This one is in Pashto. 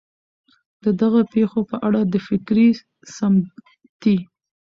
د دغه پېښو په اړه د فکري ، سمتي